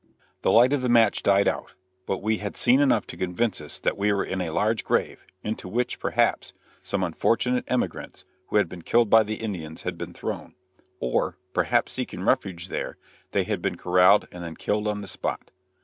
The light of the match died out, but we had seen enough to convince us that we were in a large grave, into which, perhaps, some unfortunate emigrants, who had been killed by the Indians, had been thrown; or, perhaps, seeking refuge there, they had been corraled and then killed on the spot.